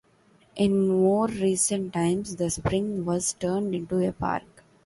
In more recent times, the spring was turned into a park.